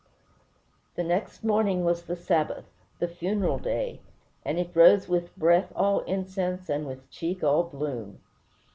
The next morning was the Sabbath, the funeral day, and it rose with "breath all incense and with cheek all bloom."